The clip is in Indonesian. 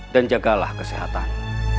dan jagalah kesehatan